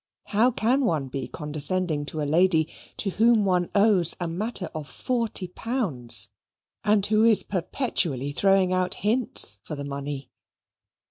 How can one be condescending to a lady to whom one owes a matter of forty pounds, and who is perpetually throwing out hints for the money?